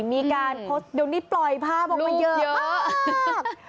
มีการโพสต์เดี๋ยวนี้ปล่อยภาพออกมาเยอะมาก